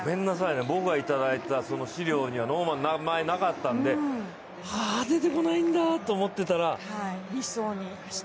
僕がいただいた資料にはノーマンの名前なかったんであ出てこないんだと思ってたら。